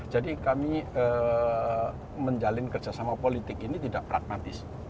jadi kami menjalin kerjasama politik ini tidak pragmatis